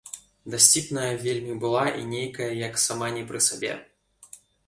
Дасціпная вельмі была і нейкая як сама не пры сабе.